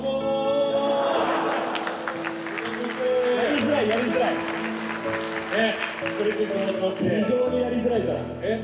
非常にやりづらいから。